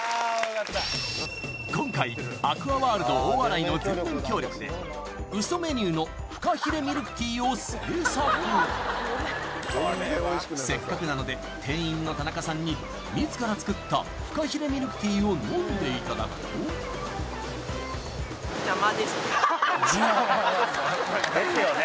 今回アクアワールド・大洗の全面協力でウソメニューのフカヒレミルクティーを制作せっかくなので店員の田中さんに自ら作ったフカヒレミルクティーを飲んでいただくとですよね